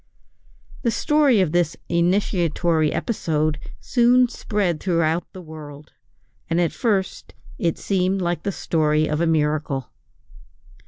The story of this initiatory episode soon spread throughout the world, and at first it seemed like the story of a miracle.